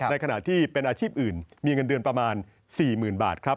ขณะที่เป็นอาชีพอื่นมีเงินเดือนประมาณ๔๐๐๐บาทครับ